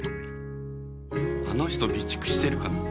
あの人備蓄してるかな？